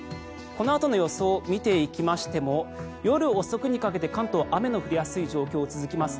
このあとの予想を見ていきましても夜遅くにかけて関東は雨の降りやすい状況が続きます。